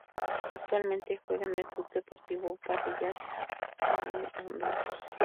Actualmente juega en el Club Deportivo Parrillas One de Honduras.